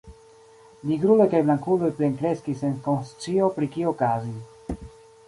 Nigruloj kaj blankuloj plenkreskis sen konscio pri kio okazis.